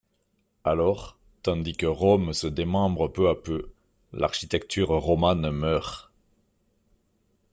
Alors, tandis que Rome se démembre peu à peu, l’architecture romane meurt.